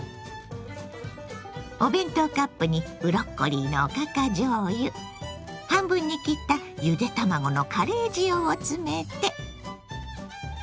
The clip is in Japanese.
お弁当カップにブロッコリーのおかかじょうゆ半分に切ったゆで卵のカレー塩を詰めて。